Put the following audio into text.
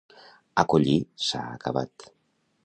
Acollir s'ha acabat.